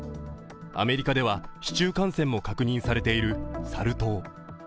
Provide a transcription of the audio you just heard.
アメリカでは市中感染も確認されているサル痘。